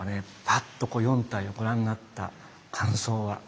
パッと４体をご覧になった感想は。